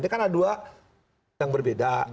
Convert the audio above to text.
karena dua yang berbeda